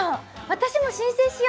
私も申請しよ！